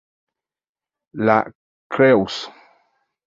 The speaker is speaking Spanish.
La Creuse